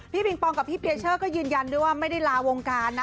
ปิงปองกับพี่เปียเชอร์ก็ยืนยันด้วยว่าไม่ได้ลาวงการนะ